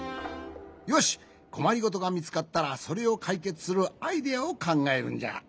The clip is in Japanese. よしこまりごとがみつかったらそれをかいけつするアイデアをかんがえるんじゃ。